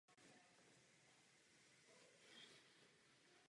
Literárně tvořil pod vlastním jménem a pod pseudonymem Vlastimil Venkryl.